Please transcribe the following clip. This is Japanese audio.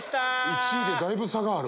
１位でだいぶ差がある。